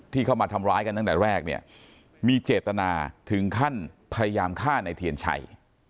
เข้ามาทำร้ายกันตั้งแต่แรกเนี่ยมีเจตนาถึงขั้นพยายามฆ่าในเทียนชัย